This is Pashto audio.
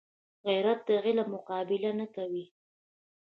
غیرت د علم مقابله نه کوي